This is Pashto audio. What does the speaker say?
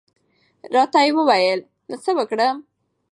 را ته وې ویل نو څه وکړم؟